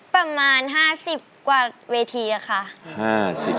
ประมาณ๕๐กว่าเวทีอะค่ะ